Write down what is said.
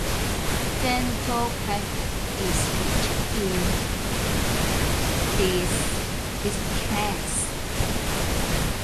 Dental plaque is rich in dextrans.